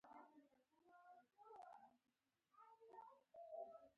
ایا د ینې مکروب مو معاینه کړی دی؟